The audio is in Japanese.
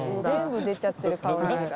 全部出ちゃってる顔に。